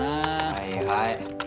はいはい。